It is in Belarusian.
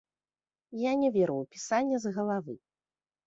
Я не веру ў пісанне з галавы.